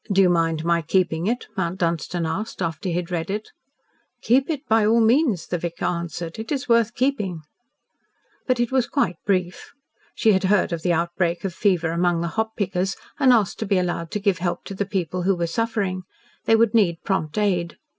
"Do you mind my keeping it?" Mount Dunstan asked, after he had read it. "Keep it by all means," the vicar answered. "It is worth keeping." But it was quite brief. She had heard of the outbreak of fever among the hop pickers, and asked to be allowed to give help to the people who were suffering. They would need prompt aid.